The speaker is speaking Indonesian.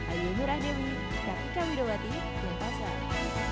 ayo murah dewi tapi kau hidup hati jangan pasang